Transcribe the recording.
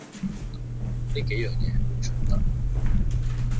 呢幾樣嘢冇衝突